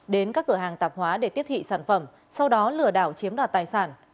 đến các cửa hàng tạp hóa để tiếp thị sản phẩm sau đó lừa đảo chiếm đoạt tài sản